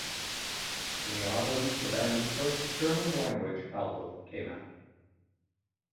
In the autumn the band's first German-language album came out.